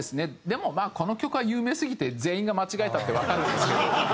でもまあこの曲は有名すぎて全員が間違えたってわかるんですけど。